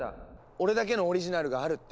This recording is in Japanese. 俺だけのオリジナルがあるって。